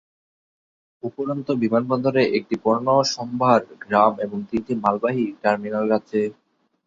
উপরন্তু বিমানবন্দরে, একটি পণ্যসম্ভার গ্রাম এবং তিনটি মালবাহী টার্মিনাল আছে।